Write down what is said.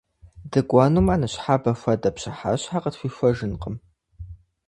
ДыкӀуэнумэ, ныщхьэбэ хуэдэ пщыхьэщхьэ къытхуихуэжынкъым!